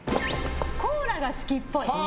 コーラが好きっぽい。